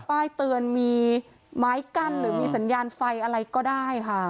ป้ายเตือนมีไม้กั้นหรือมีสัญญาณไฟอะไรก็ได้ค่ะ